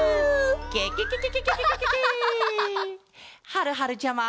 はるはるちゃま！